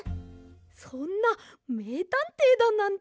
そんなめいたんていだなんて。